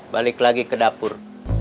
balik lagi ke dapur